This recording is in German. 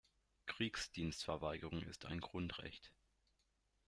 Kriegsdienstverweigerung ist ein Grundrecht.